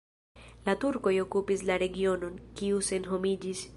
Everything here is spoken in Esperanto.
La turkoj okupis la regionon, kiu senhomiĝis.